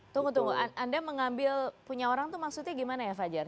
tunggu tunggu anda mengambil punya orang itu maksudnya gimana ya fajar